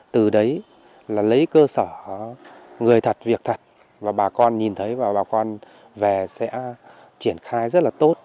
từ đấy là lấy cơ sở người thật việc thật và bà con nhìn thấy và bà con về sẽ triển khai rất là tốt